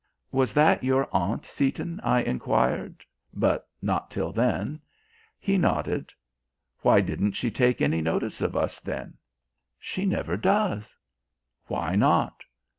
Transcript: "Was that your aunt, Seaton?" I enquired; but not till then. He nodded. "Why didn't she take any notice of us, then?" "She never does." "Why not?"